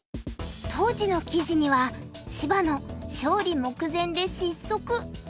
当時の記事には「芝野勝利目前で失速」との見出しが。